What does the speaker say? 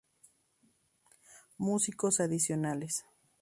Músicos adicionales